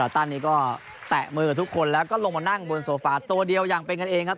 ตั้นนี้ก็แตะมือกับทุกคนแล้วก็ลงมานั่งบนโซฟาตัวเดียวอย่างเป็นกันเองครับ